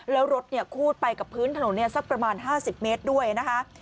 แล้วรถคูดไปกับพื้นถนนสักประมาณ๕๐เมตรด้วยนะคะ